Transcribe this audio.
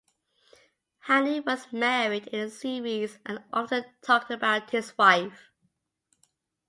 Haney was married in the series and often talked about his wife.